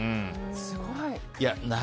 すごい。